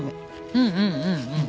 うんうんうんうん。